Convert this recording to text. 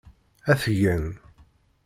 Ad t-gen.